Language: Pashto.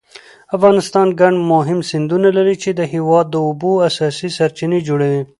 افغانستان ګڼ مهم سیندونه لري چې د هېواد د اوبو اساسي سرچینې جوړوي.